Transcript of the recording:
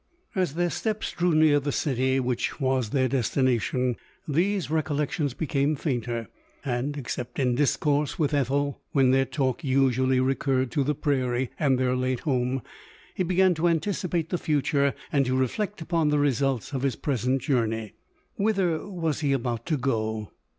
As their steps drew near the city which was their destination, these recollections became fainter, and, except in discourse with Ethel, when their talk usually recurred to the prairie, and their late home, he began to anticipate the future, and to reflect upon the results of his present journey. Whither was he about to go